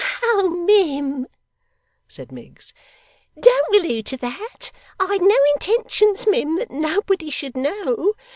'Oh, mim,' said Miggs, 'don't relude to that. I had no intentions, mim, that nobody should know.